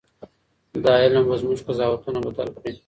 دا علم به زموږ قضاوتونه بدل کړي.